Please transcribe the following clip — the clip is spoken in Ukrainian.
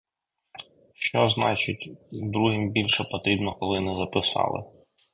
Що, значить другим більше потрібно, коли не записали.